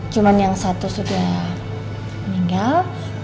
cuma yang satu sudah meninggal